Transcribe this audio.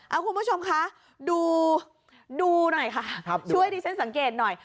เอาคุณผู้ชมคะดูหน่อยค่ะช่วยดิฉันสังเกตหน่อย